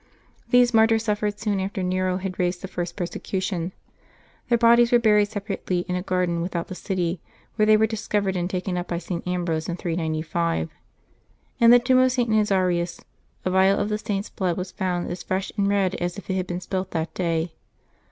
These martyrs suffered soon after Nero had raised the first persecution. Their bodies were buried separately in a garden without the city, where they were discovered and taken up by St. Ambrose, in 395. In the tomb of St. Nazarius, a vial of the Saint's blood was found as fresh and red as if it had been spilt that day.